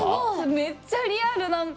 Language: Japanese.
めっちゃリアル何か。